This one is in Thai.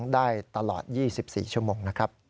๑๔๒๒ได้ตลอด๒๔ชั่วโมง